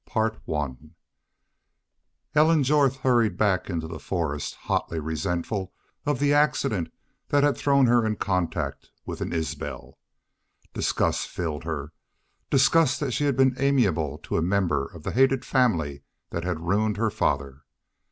CHAPTER IV Ellen Jorth hurried back into the forest, hotly resentful of the accident that had thrown her in contact with an Isbel. Disgust filled her disgust that she had been amiable to a member of the hated family that had ruined her father.